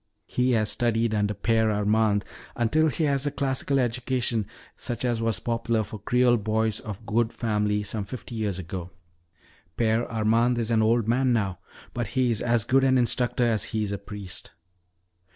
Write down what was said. He has studied under Père Armand until he has a classical education such as was popular for Creole boys of good family some fifty years ago. Père Armand is an old man now, but he is as good an instructor as he is a priest.